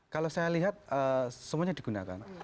kalau saya lihat semuanya digunakan